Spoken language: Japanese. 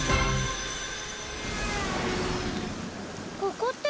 ここって？